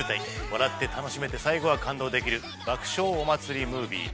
笑って楽しめて最後は感動できる爆笑お祭りムービー。